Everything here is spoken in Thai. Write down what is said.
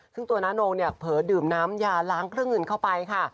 ซึ่งตัวน้าโนเนี่ยเผลอดื่มน้ำยาล้างเครื่องเงินเข้าไปค่ะ